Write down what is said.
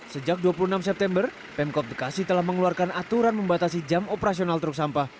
sejak dua puluh enam september pemkot bekasi telah mengeluarkan aturan membatasi jam operasional truk sampah